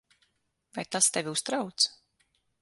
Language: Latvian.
Vai tas tevi uztrauc?